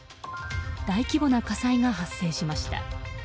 大規模な火災が発生しました。